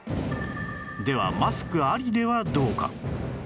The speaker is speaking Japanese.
ではマスクありではどうか？